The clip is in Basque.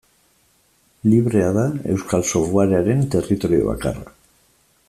Librea da euskal softwarearen territorio bakarra.